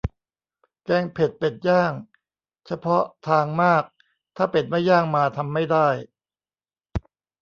แกงเผ็ดเป็ดย่าง เฉพาะทางมาก ถ้าเป็ดไม่ย่างมา ทำไม่ได้